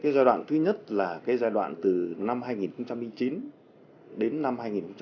giai đoạn thứ nhất là giai đoạn từ năm hai nghìn chín đến năm hai nghìn một mươi chín